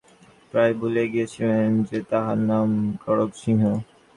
খুড়াসাহেব চমকিয়া উঠিলেন–তিনি প্রায় ভুলিয়া গিয়াছিলেন যে তাঁহার নাম খড়্গসিংহ।